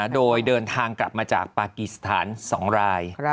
โดยเดินทางกลับมาจากปากีสถาน๒ราย